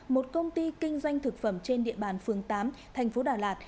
một công ty kinh doanh thực phẩm trên địa bàn phường tám tp đà lạt